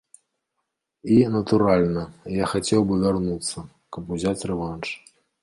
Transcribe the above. І, натуральна, я хацеў бы вярнуцца, каб узяць рэванш.